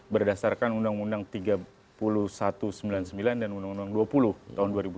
berdasarkan undang undang tiga puluh satu sembilan puluh sembilan dan undang undang dua puluh tahun dua ribu dua